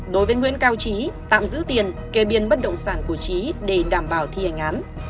đối với nguyễn cao trí tạm giữ tiền kê biên bất động sản của trí để đảm bảo thi hành án